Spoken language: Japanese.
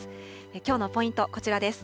きょうのポイント、こちらです。